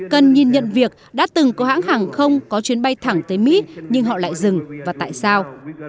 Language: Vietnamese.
cần nhìn nhận việc đã từng có hãng hàng không có chuyến bay thẳng tới mỹ nhưng họ lại dừng và tại sao